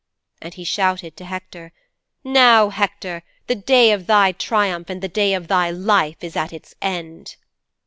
And he shouted to Hector, "Now Hector, the day of thy triumph and the day of thy life is at its end."'